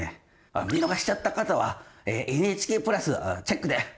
あっ見逃しちゃった方はＮＨＫプラスチェックで！